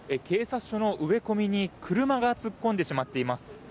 警察署の植え込みに車が突っ込んでしまっています。